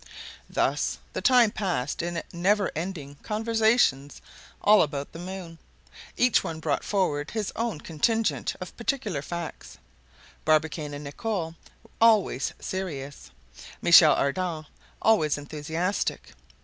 Thus the time passed in never ending conversations all about the moon. Each one brought forward his own contingent of particular facts; Barbicane and Nicholl always serious, Michel Ardan always enthusiastic.